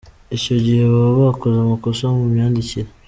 Icyo gihe baba bakoze amakosa mu myandikire.